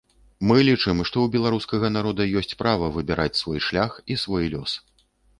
Мы лічым, што ў беларускага народа ёсць права выбіраць свой шлях і свой лёс.